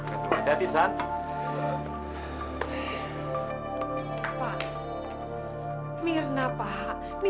ebi tapi nanti bau